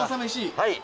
はい。